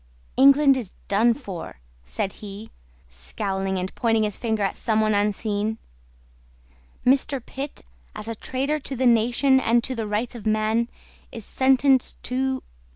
"England is done for," said he, scowling and pointing his finger at someone unseen. "Mr. Pitt, as a traitor to the nation and to the rights of man, is sentenced to..."